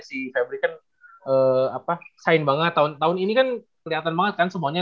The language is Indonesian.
si fabrican sain banget tahun ini kan keliatan banget kan semuanya